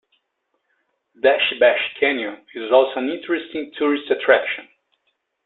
Dashbashi canyon is also an interesting tourist attraction.